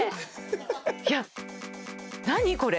いや何これ？